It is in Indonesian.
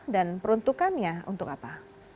dan peruntukannya untuk apa